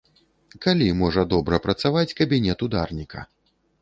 Калі можа добра працаваць кабінет ударніка?